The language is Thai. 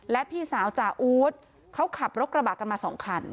และพี่สาวจ่าอู๊ดเขาขับรถกระบะกันมาสองคัน